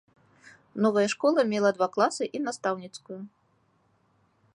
Новая школа мела два класы і настаўніцкую.